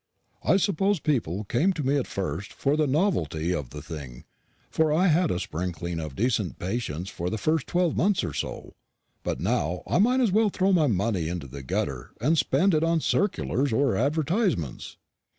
I suppose people came to me at first for the novelty of the thing, for I had a sprinkling of decent patients for the first twelve months or so. But now I might as well throw my money into the gutter as spend it on circulars or advertisements."